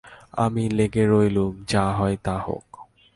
আমি লেগে রইলুম, যা হয় তা হোক।